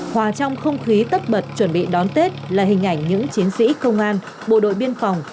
hòa trong không khí tất bật chuẩn bị đón tết là hình ảnh những chiến sĩ công an bộ đội biên phòng